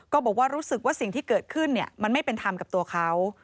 ก็บอกว่ารู้สึกว่าสิ่งที่เกิดขึ้นมันไม่เป็นธรรมกับตัวเขา